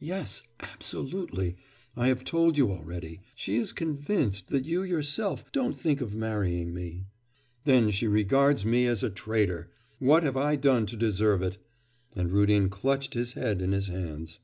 'Yes, absolutely. I have told you already; she is convinced that you yourself don't think of marrying me.' 'Then she regards me as a traitor! What have I done to deserve it?' And Rudin clutched his head in his hands.